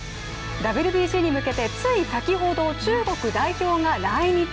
ＷＢＣに向けて、つい先ほど、中国代表が来日。